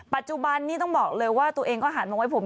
ปัจจุบันนี้ต้องบอกเลยว่าตัวเองก็หันมาไว้ผม